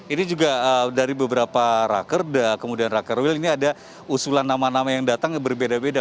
ini juga dari beberapa rakerda kemudian rakerwil ini ada usulan nama nama yang datang berbeda beda